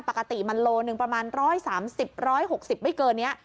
ปกติมันโลหนึ่งประมาณ๑๓๐๑๖๐ไม่เกินนี้